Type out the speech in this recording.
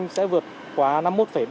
sẽ vượt qua năm mươi một ba